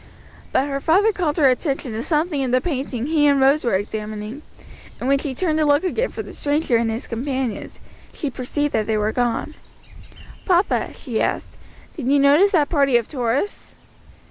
But her father called her attention to something in the painting he and Rose were examining, and when she turned to look again for the stranger and his companions, she perceived that they were gone. "Papa," she asked, "did you notice that party of tourists?"